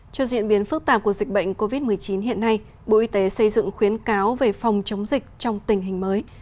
trước diễn biến phức tạp của dịch bệnh covid một mươi chín hiện nay bộ y tế xây dựng khuyến cáo về phòng chống dịch trong tình hình mới